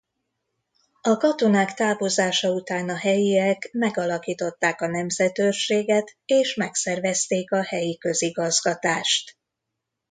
A katonák távozása után a helyiek megalakították a nemzetőrséget és megszervezték a helyi közigazgatást.